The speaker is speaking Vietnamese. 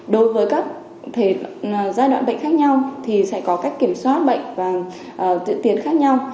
đối với các giai đoạn bệnh khác nhau thì sẽ có cách kiểm soát bệnh và tiện khác nhau